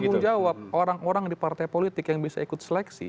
tanggung jawab orang orang di partai politik yang bisa ikut seleksi